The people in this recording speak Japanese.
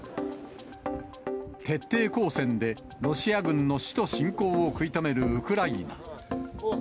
徹底抗戦で、ロシア軍の首都侵攻を食い止めるウクライナ。